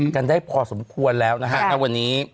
กันได้พอสมควรแล้วนะฮะณวันนี้